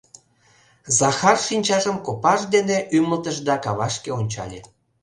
— Захар шинчажым копаж дене ӱмылтыш да кавашке ончале.